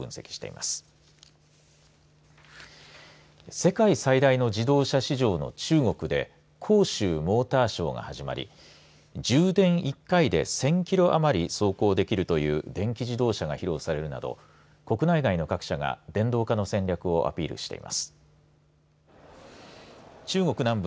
世界最大の自動車市場の中国で広州モーターショーが始まり充電１回で１０００キロ余り走行できるという電気自動車が披露されるなど国内外の各社が電動化の戦略をアピールしています。